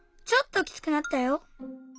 ちょっときつくなったよ。